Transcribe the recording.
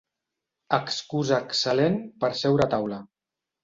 Excusa excel·lent per seure a taula.